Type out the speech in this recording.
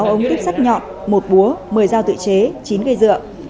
một mươi sáu ống cúp sắt nhọn một búa một mươi dao tự chế chín cây dựa